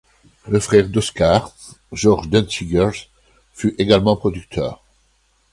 Le frère d'Oscar, Georges Dancigers, fut également producteur.